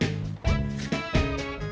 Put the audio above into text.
eh ada pak lura